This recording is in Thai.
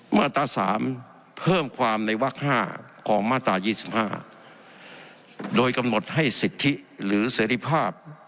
มาตราสามเพิ่มความในวักห้าของมาตรายี่สิบห้าโดยกำหนดให้สิทธิหรือเสร็จภาพ